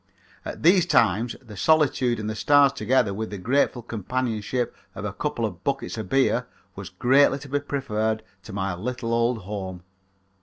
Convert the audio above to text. At these times the solitude and the stars together with the grateful companionship of a couple of buckets of beer was greatly to be preferred to my little old home.